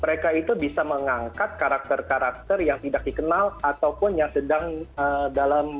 mereka itu bisa mengangkat karakter karakter yang tidak dikenal ataupun yang sedang dalam